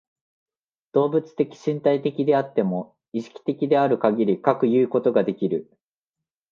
動物的身体的であっても、意識的であるかぎりかくいうことができる。